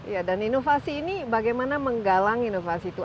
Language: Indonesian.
ya dan inovasi ini bagaimana menggalang inovasi itu